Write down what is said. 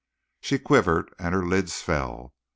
She quivered, and her lids fell.